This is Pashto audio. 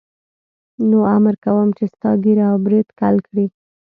نو امر کوم چې ستا ږیره او برېت کل کړي.